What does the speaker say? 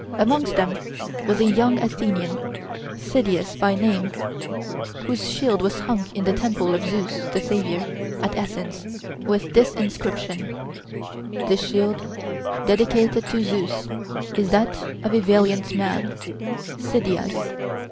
'Amongst them was a young Athenian, Cydias by name, whose shield was hung in the temple of Zeus the savior, at Athens, with this inscription: THIS SHIELD, DEDICATED TO ZEUS, IS THAT OF A VALIANT MAN, CYDIAS.